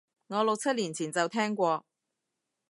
我六七年前就聽過